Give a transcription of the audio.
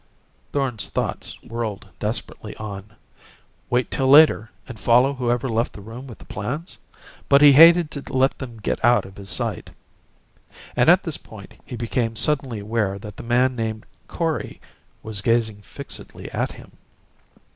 Thorn's thoughts whirled desperately on. Wait till later and follow whoever left the room with the plans? But he hated to let them get out of his sight. And at this point he became suddenly aware that the man named Kori was gazing fixedly at him.